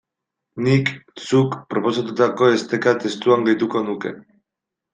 Nik zuk proposatutako esteka testuan gehituko nuke.